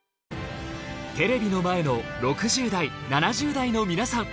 テレビの前の６０代７０代の皆さん